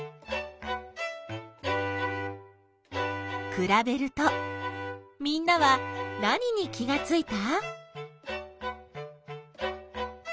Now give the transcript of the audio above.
くらべるとみんなは何に気がついた？